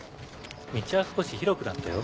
道は少し広くなったよ。